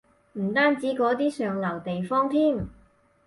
唔單止嗰啲上流地方添